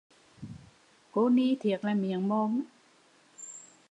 Cô ni thiệt là miệng mồm